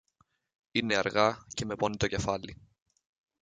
Είναι αργά και με πονεί το κεφάλι.